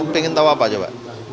pengen tau apa coba